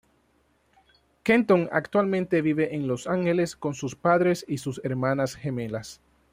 Kenton actualmente vive en Los Ángeles con sus padres y sus hermanas gemelas.